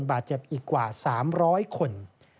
บาดเจ็บอีกกว่า๓๐๐คน